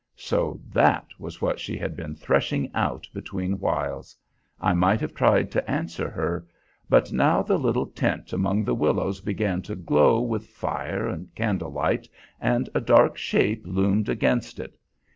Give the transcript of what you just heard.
So that was what she had been threshing out between whiles? I might have tried to answer her, but now the little tent among the willows began to glow with fire and candlelight, and a dark shape loomed against it.